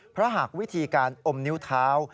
เพราะหากวิธีการอมนิ้วเท้า